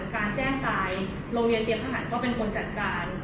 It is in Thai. การแจ้งทรายโรงเรียนเตรียมทหารก็เป็นคนจัดการ